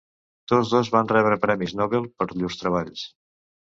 Tots dos van rebre premis Nobel per llurs treballs.